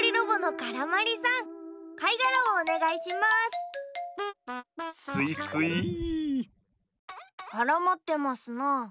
からまってますな。